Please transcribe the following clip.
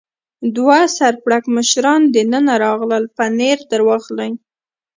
دوه سر پړکمشران دننه راغلل، پنیر در واخلئ.